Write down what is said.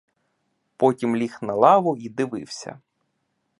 Потім ліг на лаву й дивився.